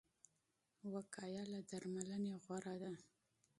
وقايه له درملنې غوره ده.